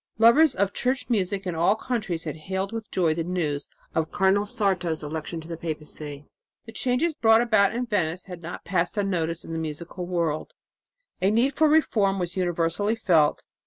Lovers of church music in all countries had hailed with joy the news of Cardinal Sarto's election to the papacy. The changes brought about in Venice had not passed unnoticed in the musical world; a need for reform was universally felt.